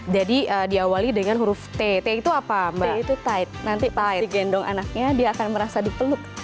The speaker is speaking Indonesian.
jadi diawali dengan huruf t itu apa mbak itu tight nanti pakai gendong anaknya dia akan merasa dipeluk